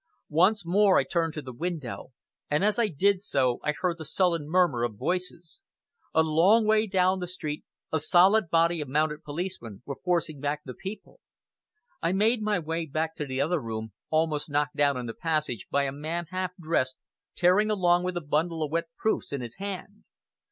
Once more I turned to the window, and as I did so I heard the sullen murmur of voices. A little way down the street a solid body of mounted police were forcing back the people. I made my way back to the other room, almost knocked down in the passage by a man, half dressed, tearing along with a bundle of wet proofs in his hand.